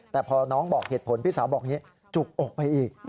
แต่พอน้องบอกเหตุผลพี่สาวบอกอย่างนี้จุกอกไปอีก